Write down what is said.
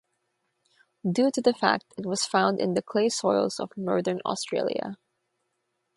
Due to the fact it was found in the clay soils of northern Australia.